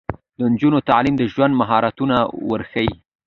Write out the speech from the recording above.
د نجونو تعلیم د ژوند مهارتونه ورښيي.